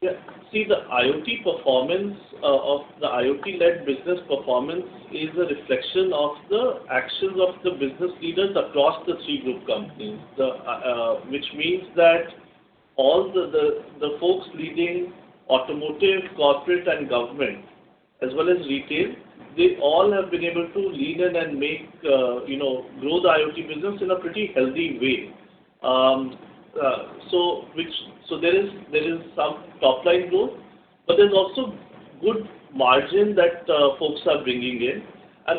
Yeah. See, the IoT performance of the IoT-led business performance is a reflection of the actions of the business leaders across the three group companies. The, which means that all the folks leading automotive, corporate, and government, as well as retail, they all have been able to lean in and make, you know, grow the IoT business in a pretty healthy way. So there is some top line growth, but there's also good margin that folks are bringing in.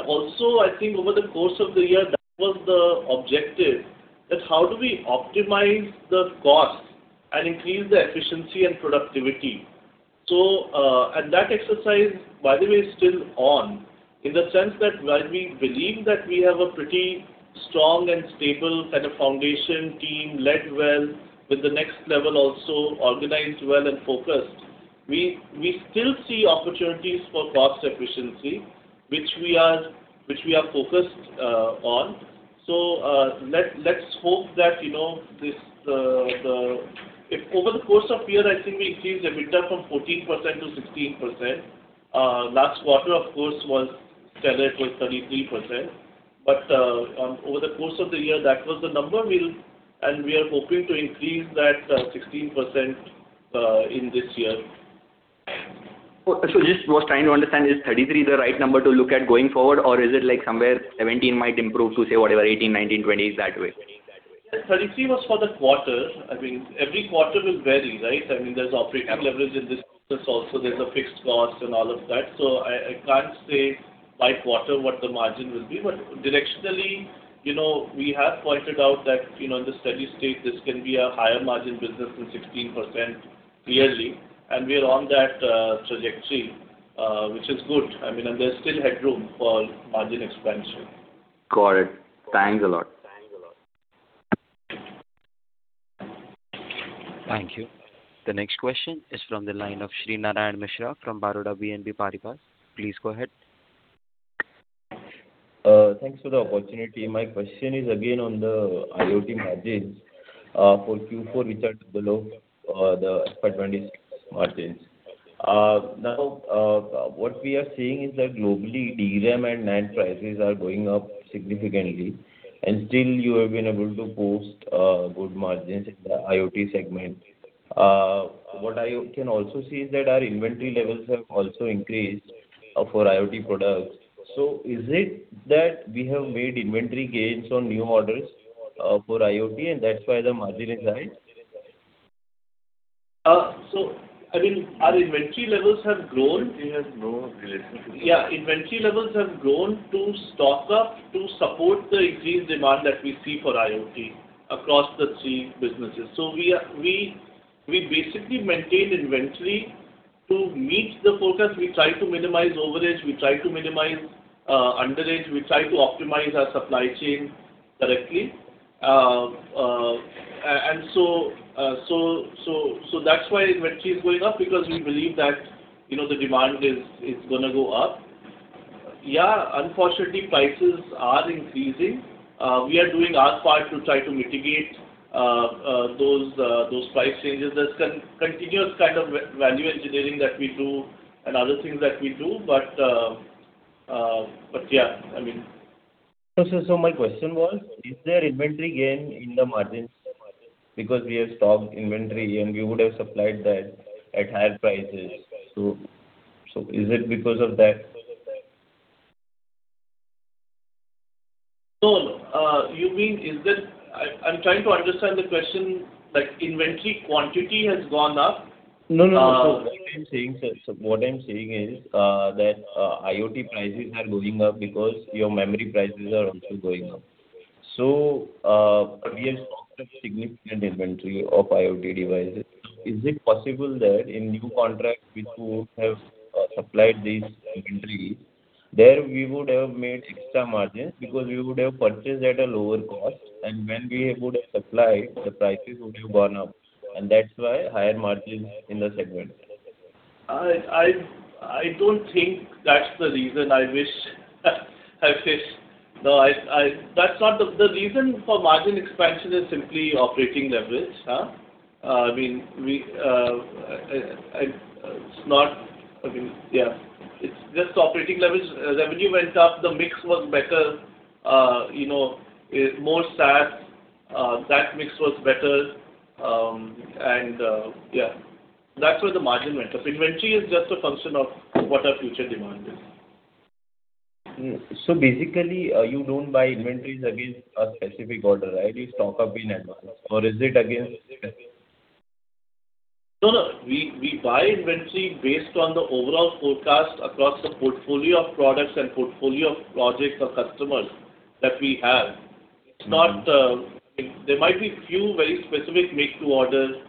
Also, I think over the course of the year, that was the objective, that how do we optimize the costs and increase the efficiency and productivity. That exercise, by the way, is still on in the sense that while we believe that we have a pretty strong and stable kind of foundation team led well with the next level also organized well and focused, we still see opportunities for cost efficiency, which we are focused on. Let's hope that, you know, this If over the course of the year, I think we increased the EBITDA from 14% to 16%. Last quarter, of course, was stellar. It was 33%. Over the course of the year, that was the number we'll. We are hoping to increase that 16% in this year. Just was trying to understand, is 33% the right number to look at going forward or is it like somewhere 17 might improve to say whatever 18%, 19%, 20%, that way? Yeah. 33% was for the quarter. I mean, every quarter will vary, right? I mean, there's operating leverage in this business also. There's a fixed cost and all of that. I can't say by quarter what the margin will be. Directionally, you know, we have pointed out that, you know, in the steady state this can be a higher margin business than 16% yearly, and we are on that trajectory, which is good. I mean, there's still headroom for margin expansion. Got it. Thanks a lot. Thank you. The next question is from the line of Shrinarayan Mishra from Baroda BNP Paribas. Please go ahead. Thanks for the opportunity. My question is again on the IoT margins for Q4, which are below the expected margins. Now, what we are seeing is that globally DRAM and NAND prices are going up significantly, and still you have been able to post good margins in the IoT segment. What I can also see is that our inventory levels have also increased for IoT products. Is it that we have made inventory gains on new orders for IoT, and that's why the margin is high? I mean, our inventory levels have grown. Inventory has no relation to this. Yeah, inventory levels have grown to stock up to support the increased demand that we see for IoT across the three businesses. We basically maintain inventory to meet the forecast. We try to minimize overage, we try to minimize underage. We try to optimize our supply chain correctly. That's why inventory is going up because we believe that, you know, the demand is gonna go up. Yeah, unfortunately prices are increasing. We are doing our part to try to mitigate those price changes. There's continuous kind of value engineering that we do and other things that we do. My question was, is there inventory gain in the margins? We have stocked inventory and we would have supplied that at higher prices. Is it because of that? No, no. you mean I'm trying to understand the question, like inventory quantity has gone up? No, no. What I'm saying, sir, is that IoT prices are going up because your memory prices are also going up. We have stocked up significant inventory of IoT devices. Is it possible that in new contracts which would have supplied these inventories, there we would have made extra margins because we would have purchased at a lower cost, and when we would have supplied, the prices would have gone up, and that's why higher margins in the segment? I don't think that's the reason. I wish No, I That's not the reason for margin expansion is simply operating leverage. I mean, we, it's not I mean, yeah, it's just operating leverage. Revenue went up. The mix was better. You know, more SaaS, that mix was better. Yeah, that's where the margin went up. Inventory is just a function of what our future demand is. Basically, you don't buy inventories against a specific order, right? You stock up in advance or? No, no. We buy inventory based on the overall forecast across the portfolio of products and portfolio of projects or customers that we have. It's not. There might be few very specific make-to-order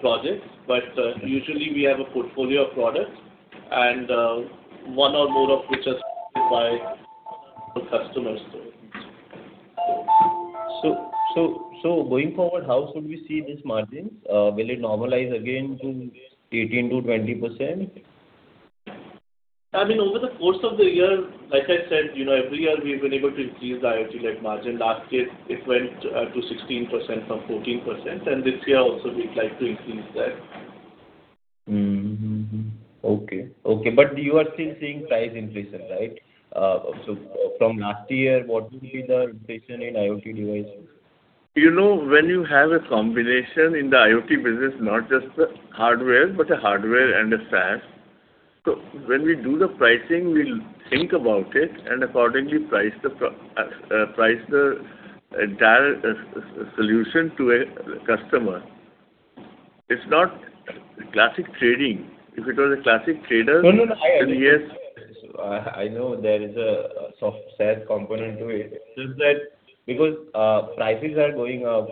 projects, but usually we have a portfolio of products and one or more of which are supplied to customers. Going forward, how should we see these margins? Will it normalize again to 18%-20%? I mean, over the course of the year, like I said, you know, every year we've been able to increase the IoT net margin. Last year it went to 16% from 14%. This year also we'd like to increase that. Mm-hmm. Okay. Okay. You are still seeing price inflation, right? From last year, what would be the inflation in IoT devices? You know, when you have a combination in the IoT business, not just the hardware, but a hardware and a SaaS. When we do the pricing, we'll think about it and accordingly price the entire solution to a customer. It's not classic trading. No, no. Yes. I know there is a soft SaaS component to it. It's just that because prices are going up,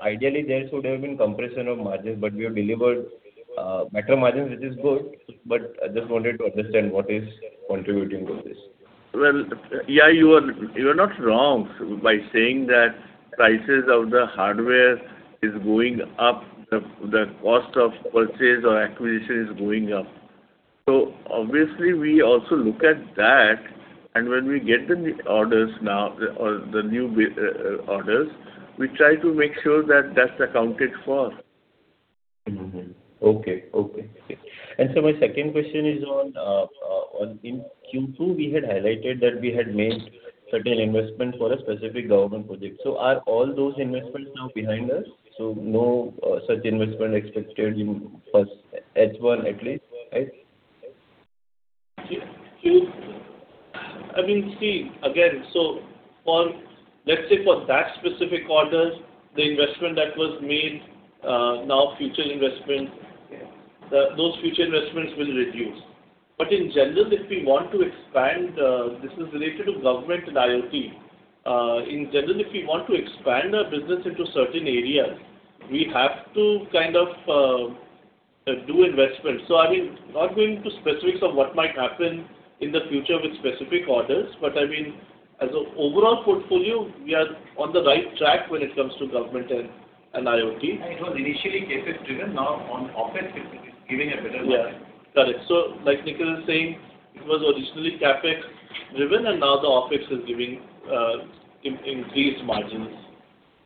ideally there should have been compression of margins. We have delivered better margins, which is good. I just wanted to understand what is contributing to this. Well, yeah, you are not wrong by saying that prices of the hardware is going up. The cost of purchase or acquisition is going up. Obviously we also look at that. When we get the new orders now, or the new orders, we try to make sure that that's accounted for. Okay. Okay. My second question is on In Q2 we had highlighted that we had made certain investments for a specific government project. Are all those investments now behind us? No such investment expected in first H1 at least, right? I mean, see, again, for, let's say for that specific orders, the investment that was made, now future investment. Yeah. Those future investments will reduce. In general, if we want to expand, this is related to government and IoT. In general, if we want to expand our business into certain areas, we have to kind of do investments. I mean, not going into specifics of what might happen in the future with specific orders, but I mean, as a overall portfolio, we are on the right track when it comes to government and IoT. It was initially CapEx driven, now on OpEx it is giving a better return. Got it. Like Nikhil is saying, it was originally CapEx driven and now the OpEx is giving increased margins.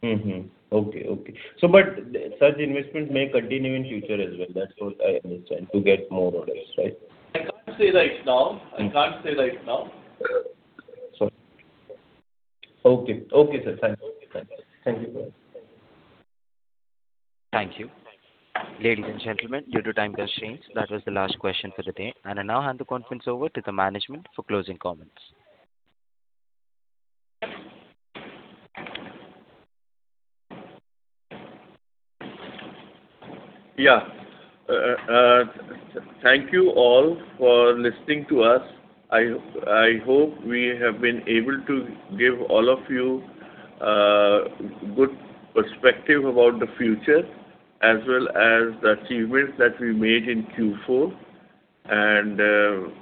Mm-hmm. Okay. Okay. Such investments may continue in future as well. That's what I understand to get more orders, right? I can't say right now. I can't say right now. Sorry. Okay. Okay, sir. Thank you. Thank you. Thank you. Thank you. Ladies and gentlemen, due to time constraints, that was the last question for the day, and I now hand the conference over to the management for closing comments. Thank you all for listening to us. I hope we have been able to give all of you good perspective about the future as well as the achievements that we made in Q4.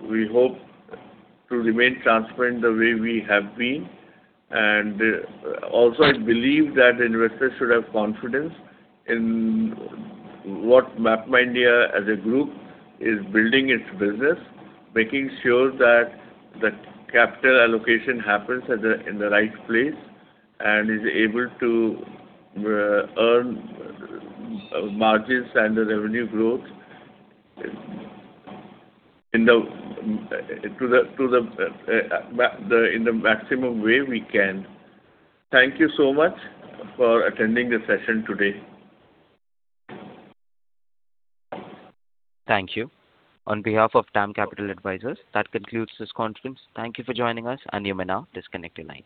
We hope to remain transparent the way we have been. Also, I believe that investors should have confidence in what MapmyIndia as a group is building its business, making sure that the capital allocation happens at the right place and is able to earn margins and the revenue growth in the maximum way we can. Thank you so much for attending the session today. Thank you. On behalf of DAM Capital Advisors, that concludes this conference. Thank you for joining us, and you may now disconnect your lines.